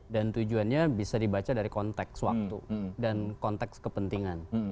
dan tujuannya bisa dibaca dari konteks waktu dan konteks kepentingan